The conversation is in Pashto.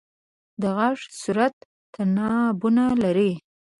د غږ صورت تنابونه لري.